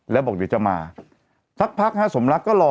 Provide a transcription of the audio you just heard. แล้วบอกเดี๋ยวจะมาสักพักฮะสมรักก็รอ